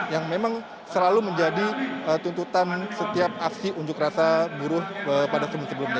yang memang selalu menjadi tuntutan setiap aksi unjuk rasa buruh pada sebelumnya